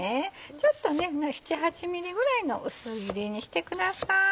ちょっとね７８ｍｍぐらいの薄切りにしてください。